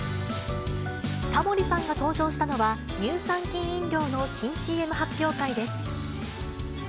タモリさんが登場したのは、乳酸菌飲料の新ＣＭ発表会です。